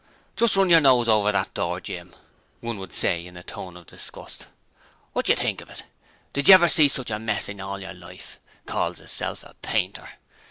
'Jist run yer nose over that door, Jim,' one would say in a tone of disgust. 'Wotcher think of it? Did yer ever see sich a mess in yer life? Calls hisself a painter!'